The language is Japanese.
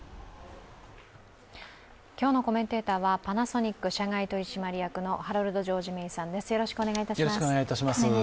今日のコメンテーターはパナソニック社外取締役のハロルド・ジョージ・メイさんです。